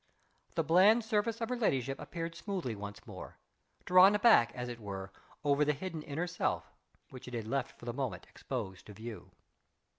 The bland surface of her ladyship appeared smoothly once more; drawn back, as it were, over the hidden inner self, which it had left for the moment exposed to view.